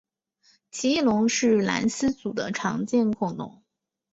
奇异龙是兰斯组的常见恐龙。